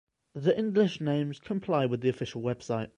The English names comply with the official website.